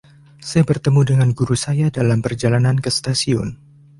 Saya bertemu dengan guru saya dalam perjalanan ke stasiun.